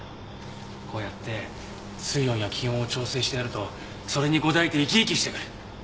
こうやって水温や気温を調整してやるとそれに応えて生き生きしてくる。